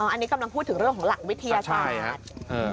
อันนี้กำลังพูดถึงเรื่องของหลักวิทยาศาสตร์